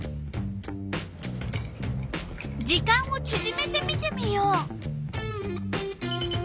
時間をちぢめて見てみよう。